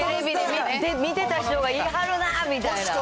もうテレビで見てた人が、いはるなみたいな。